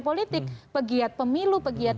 politik pegiat pemilu pegiat